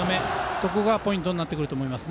そこがポイントになってくると思います。